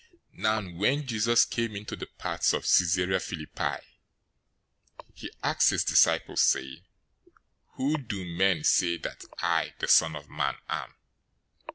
016:013 Now when Jesus came into the parts of Caesarea Philippi, he asked his disciples, saying, "Who do men say that I, the Son of Man, am?"